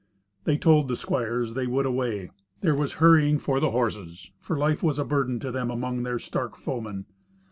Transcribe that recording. They told the squires they would away. There was hurrying for the horses, for life was a burden to them among their stark foemen.